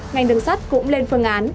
ngành đường sắt cũng lên phương án